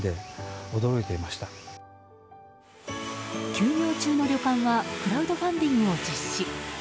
休業中の旅館はクラウドファンディングを実施。